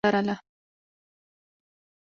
د قهوې تولید ځمکو او ډېر کاري ځواک ته اړتیا لرله.